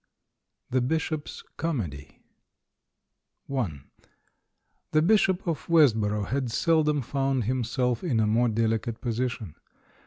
THE BISHOP'S COMEDY The Bishop of Westborough had seldom found himself in a more delicate position.